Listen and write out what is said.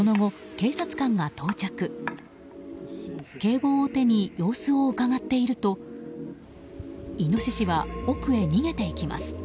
警棒を手に様子をうかがっているとイノシシは奥へ逃げていきます。